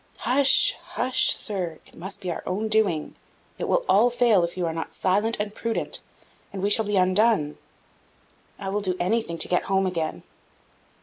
"Hush! hush, sir! It must be our own doing; it will all fail if you are not silent and prudent, and we shall be undone." "I will do anything to get home again!"